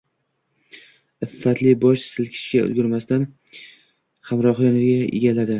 Iltifotli bosh silkishga ulgurmasidan hamrohi yonini egalladi.